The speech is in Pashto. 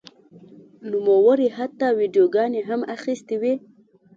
نوموړي حتی ویډیوګانې هم اخیستې وې.